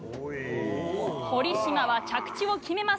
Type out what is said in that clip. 堀島は着地を決めます。